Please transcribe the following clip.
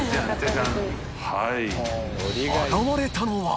はい。